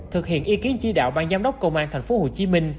thực hiện ý kiến chỉ đạo ban giám đốc công an tp hcm